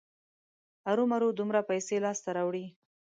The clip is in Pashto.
ارومرو دومره پیسې لاسته راوړي.